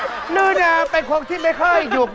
เอออ่าลูกเนี่ยเป็นคนที่ไม่ค่อยหยุบ